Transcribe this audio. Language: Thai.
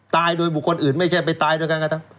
ตายโดยบุคคลอื่นไม่ใช่ไปตายโดยการกระทำ